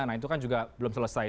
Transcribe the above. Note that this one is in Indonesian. nah itu kan juga belum selesai